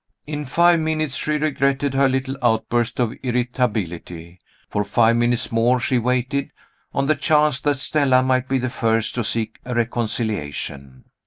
In five minutes she regretted her little outburst of irritability. For five minutes more she waited, on the chance that Stella might be the first to seek a reconciliation.